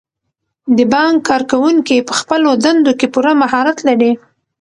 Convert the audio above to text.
د بانک کارکوونکي په خپلو دندو کې پوره مهارت لري.